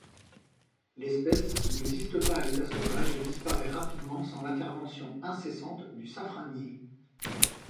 L'espèce n'existe pas à l'état sauvage et disparaît rapidement sans l'intervention incessante du safranier.